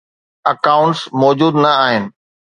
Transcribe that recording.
Accounts موجوده نه آهن.